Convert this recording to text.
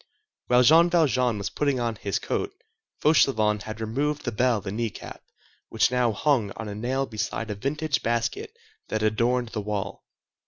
While Jean Valjean was putting on his coat, Fauchelevent had removed the bell and kneecap, which now hung on a nail beside a vintage basket that adorned the wall.